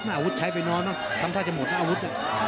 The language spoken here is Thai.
อาวุธใช้ไปนอนแล้วคำถ้าจะหมดอาวุธ